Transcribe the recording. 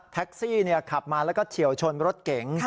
แท็กซี่ขับมาแล้วก็เฉียวชนรถเก๋ง